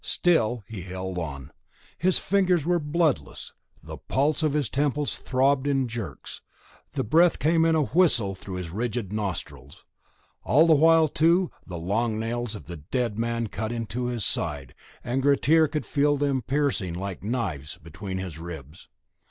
Still he held on; his fingers were bloodless; the pulses of his temples throbbed in jerks; the breath came in a whistle through his rigid nostrils. All the while, too, the long nails of the dead man cut into his side, and Grettir could feel them piercing like knives between his ribs.